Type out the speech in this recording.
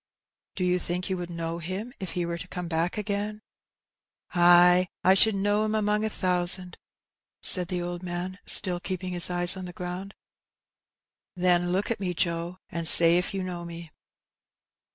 *'" Do you think you would know him if he were to come back again ?*' ^^Ay, I should know *im among a thousand," said the old man, still keeping his eyes on the ground. "Then look at me, Joe, and say if you know me.